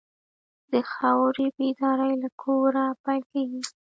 د خاورې بیداري له کوره پیل کېږي.